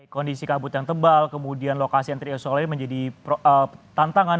kondisi kabut yang tebal kemudian lokasi yang terisole menjadi tantangan